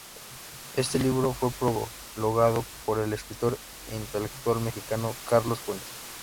Este libro fue prologado por el escritor e intelectual mexicano Carlos Fuentes.